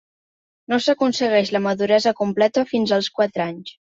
No s'aconsegueix la maduresa completa fins als quatre anys.